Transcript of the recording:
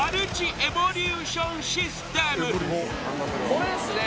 これですね